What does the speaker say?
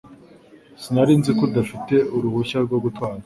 Sinari nzi ko udafite uruhushya rwo gutwara.